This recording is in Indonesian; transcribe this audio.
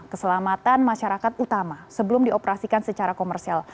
keselamatan masyarakat utama sebelum dioperasikan secara komersial